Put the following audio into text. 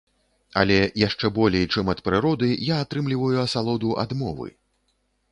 Але яшчэ болей, чым ад прыроды, я атрымліваю асалоду ад мовы.